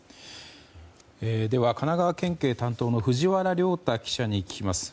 では、神奈川県警担当の藤原良太記者に聞きます。